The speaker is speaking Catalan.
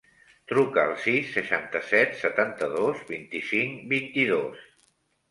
Truca al sis, seixanta-set, setanta-dos, vint-i-cinc, vint-i-dos.